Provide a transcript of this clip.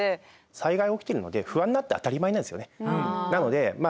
災害起きてるので不安になって当たり前なんですよね。